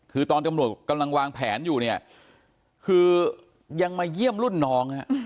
คือตอนตำรวจกำลังวางแผนอยู่เนี่ยคือยังมาเยี่ยมรุ่นน้อง